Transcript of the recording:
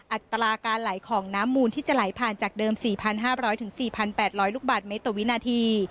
อัตราการไหลของน้ำมูลที่จะไหลผ่านจากเดิม๔๕๐๐๔๘๐๐ลูกบาทเมตรต่อวินาที